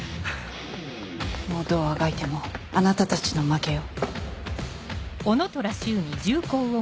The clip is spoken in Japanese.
もうどうあがいてもあなたたちの負けよ。